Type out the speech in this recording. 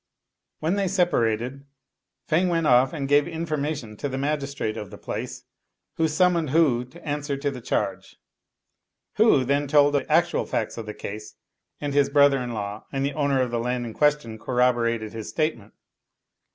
When they separated, Feng went off and gave information to the magistrate of the place, who summoned Hu to answer to the charge. Hu then told the actual facts of the case, and his brother in law and the owner of the land in question corroborated his state ment.